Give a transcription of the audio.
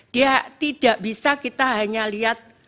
dia tidak bisa kita hanya lihat